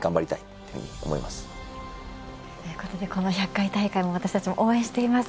ということでこの１００回大会も私たちも応援しています。